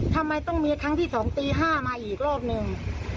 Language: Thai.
ทำไมต้องเป็นครั้งที่สองตีห้ามาอีกรอบหนึ่ง